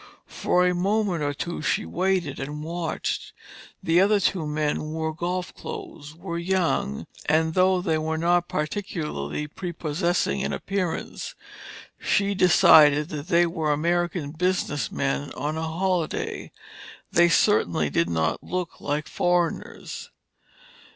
For a moment or two she waited and watched. The other two men wore golf clothes, were young, and though they were not particularly prepossessing in appearance, she decided that they were American business men on a holiday. They certainly did not look like foreigners.